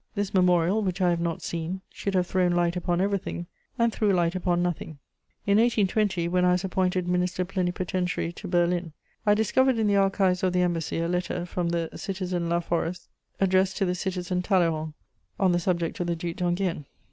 this memorial, which I have not seen, should have thrown light upon everything, and threw light upon nothing. In 1820, when I was appointed Minister Plenipotentiary to Berlin, I discovered in the archives of the embassy a letter from "the Citizen Laforest," addressed to "the Citizen Talleyrand," on the subject of the Duc d'Enghien.